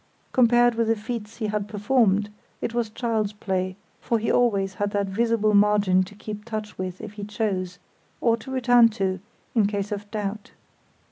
Compared with the feats he had performed, it was child's play, for he always had that visible margin to keep touch with if he chose, or to return to in case of doubt.